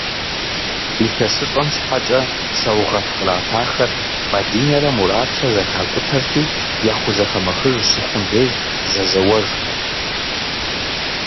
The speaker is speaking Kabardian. Илъэсыщӏэм щхьэкӏэ сэугъэт къратахэр, Мадинэрэ Муратрэ, зэхакӏутэрти, яхузэхэмыхыж щыхъум деж зэзэуэжхэрт.